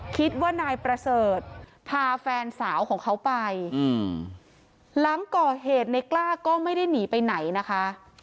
คิดว่านายประเสริฐพาแฟนสาวของเขาไปหลังก่อเหตุในกล้าก็ไม่ได้หนีไปไหนนะคะ